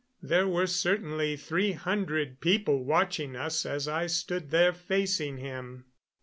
There were certainly three hundred people watching us as I stood there facing him.